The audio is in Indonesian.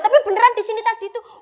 tapi beneran disini tadi tuh